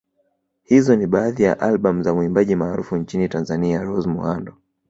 Hizo ni baadhi ya albamu za muimbaji maarufu nchini Tazania Rose Muhando